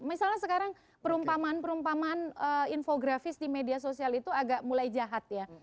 misalnya sekarang perumpamaan perumpamaan infografis di media sosial itu agak mulai jahat ya